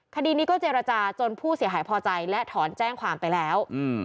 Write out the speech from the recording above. คดีนี้ก็เจรจาจนผู้เสียหายพอใจและถอนแจ้งความไปแล้ว